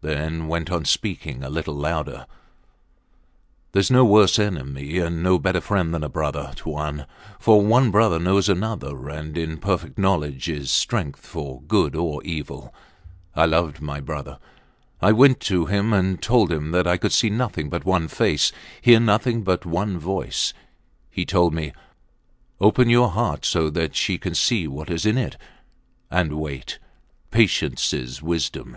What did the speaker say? then went on speaking a little louder: Theres no worse enemy and no better friend than a brother, Tuan, for one brother knows another, and in perfect knowledge is strength for good or evil. I loved my brother. I went to him and told him that I could see nothing but one face, hear nothing but one voice. He told me: Open your heart so that she can see what is in it and wait. Patience is wisdom.